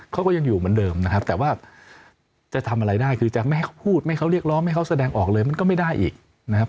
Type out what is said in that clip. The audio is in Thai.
เขาก็ยังอยู่เหมือนเดิมนะครับแต่ว่าจะทำอะไรได้คือจะไม่ให้เขาพูดไม่เขาเรียกร้องให้เขาแสดงออกเลยมันก็ไม่ได้อีกนะครับ